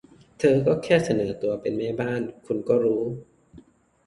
เธอก็แค่เสนอตัวเป็นแม่บ้าน คุณก็รู้